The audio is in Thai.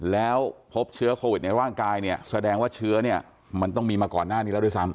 แล้วพบเชิร์ส์โควิดในร่างกายแสดงว่าเชื้อแยกต้องมีมาก่อนหน้านี้แล้วด้วยซ้ำ